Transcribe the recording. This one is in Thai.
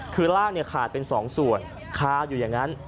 คือร่างขาดเป็น๒ส่วนคาอยู่อย่างนั้น